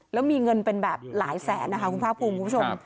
แล้วมีเงินเป็นแบบหลายแสนนะคะคุณภาคภูมิคุณผู้ชม